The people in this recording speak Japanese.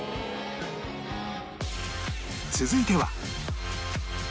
続いては